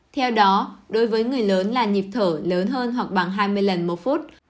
theo đó đối với người lớn là nhịp thở lớn hơn hoặc bằng hai mươi lần một phút